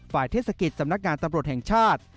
เทศกิจสำนักงานตำรวจแห่งชาติ